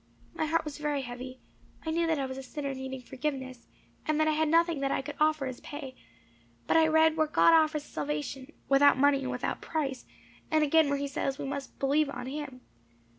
My heart was very heavy; I knew that I was a sinner needing forgiveness, and that I had nothing that I could offer as pay; but I read where God offers salvation 'without money and without price,' and again where he says we must 'believe on him.